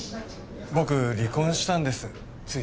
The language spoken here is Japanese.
僕離婚したんですつい